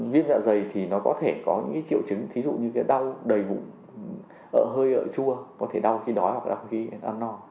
viêm dạ dày thì nó có thể có những cái triệu chứng thí dụ như cái đau đầy bụng hơi ợ chua có thể đau khi đói hoặc đau khi ăn no